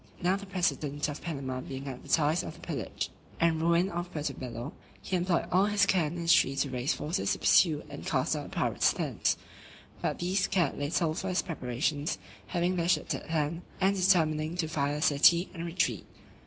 Now the president of Panama being advertised of the pillage and ruin of Puerto Bello, he employed all his care and industry to raise forces to pursue and cast out the pirates thence; but these cared little for his preparations, having their ships at hand, and determining to fire the city, and retreat.